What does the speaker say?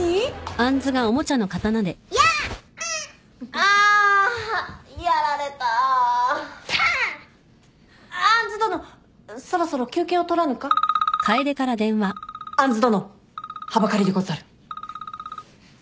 杏殿はばかりでござる。